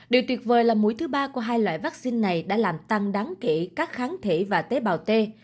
điều tuyệt vời là mũi thứ ba của hai loại vaccine này đã làm tăng đáng kể các kháng thể và tế bào t